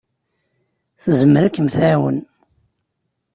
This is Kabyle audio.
Tezmer ad kem-tɛawen.